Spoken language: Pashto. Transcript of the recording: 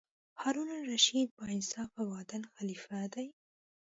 هارون الرشید با انصافه او عادل خلیفه دی.